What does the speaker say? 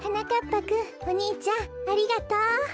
ぱくんおにいちゃんありがとう！